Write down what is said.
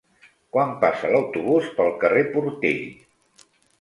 Quan passa l'autobús pel carrer Portell?